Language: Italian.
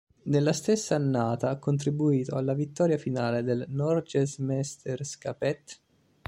Nella stessa annata ha contribuito alla vittoria finale del Norgesmesterskapet.